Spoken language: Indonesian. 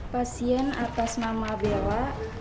pasien atas nama bella